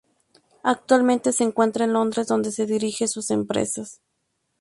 Actualmente se encuentra en Londres donde dirige sus empresas.